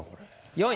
４位。